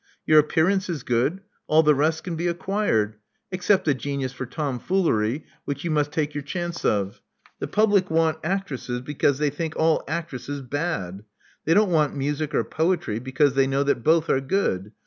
Your appearance is good: all the rest can be acquired — except a genius for tomfoolery, which you must take your chance of. The public want actresses, because they think all actresses bad. They don't want music or poetry because they know that both are good.